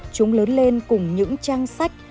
chúng lớn lên cùng những trang sách